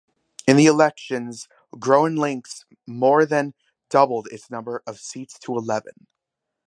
In the elections, GroenLinks more than doubled its number of seats to eleven.